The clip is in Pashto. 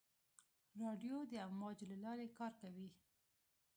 رادیو د امواجو له لارې کار کوي.